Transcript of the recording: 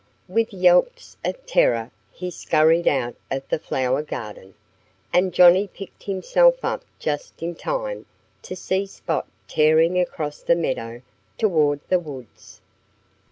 With yelps of terror he scurried out of the flower garden. And Johnnie picked himself up just in time to see Spot tearing across the meadow toward the woods.